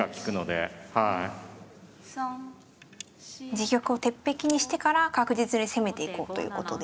自玉を鉄壁にしてから確実に攻めていこうということで。